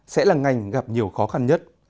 sẽ là ngành gặp nhiều khó khăn nhất